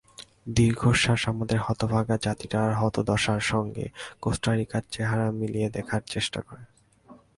দীর্ঘশ্বাস আমাদের হতাভাগা জাতিটার হতদশার সঙ্গে কোস্টারিকার চেহারা মিলিয়ে দেখার চেষ্টা করে।